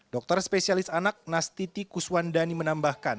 dokter spesialis anak nastiti kuswandani menambahkan